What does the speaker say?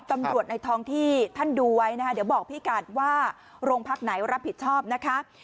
ตำรวจในท้องที่ท่านดูไว้นะคะเดี๋ยวบอกพี่กัดว่าโรงพักไหนรับผิดชอบนะคะ